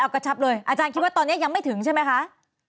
กระชับเลยอาจารย์คิดว่าตอนนี้ยังไม่ถึงใช่ไหมคะ